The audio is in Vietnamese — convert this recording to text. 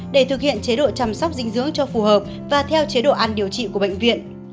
để thực hiện chế độ chăm sóc dinh dưỡng cho phù hợp và theo chế độ ăn điều trị của bệnh viện